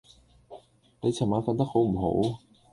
你尋晚訓得好唔好？